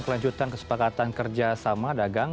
kelanjutan kesepakatan kerjasama dagang